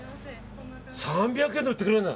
３００円で売ってくれるんだ。